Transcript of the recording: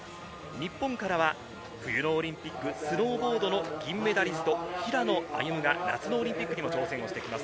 日本からは冬のオリンピック、スノーボードの銀メダリスト、平野歩夢が夏のオリンピックに挑戦してきます。